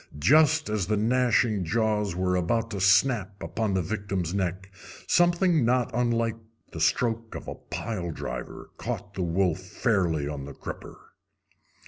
Just as the gnashing jaws were about to snap upon the victim's neck something not unlike the stroke of a pile driver caught the wolf fairly on the crupper.